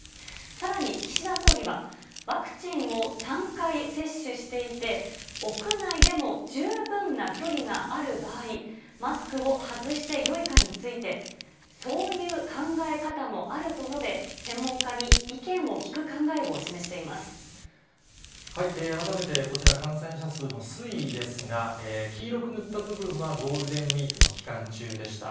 さらに岸田総理は、ワクチンを３回接種していて、屋内でも十分な距離がある場合、マスクを外してよいかについて、そういう考え方もあると述べ、専門家に意見を聞く考えを示して改めてこちら感染者数の推移ですが、黄色く塗った部分はゴールデンウィークの期間中でした。